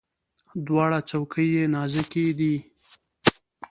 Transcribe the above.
دواړه څوکي یې نازکې وي.